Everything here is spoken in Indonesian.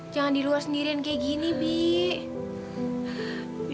jangan di luar sendirian kayak gini bi